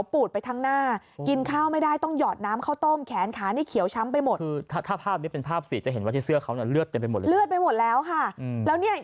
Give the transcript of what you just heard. ว่าที่เสื้อเขาเนี่ยเลือดไปหมดแล้วค่ะเลือดไปหมดแล้วค่ะอืมแล้วเนี่ย